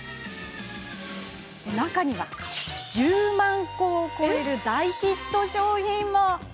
中には１０万個を超える大ヒット商品も。